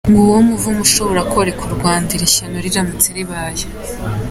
Nguwo umuvumo ushobora koreka u Rwanda, iri shyano riramutse ribaye.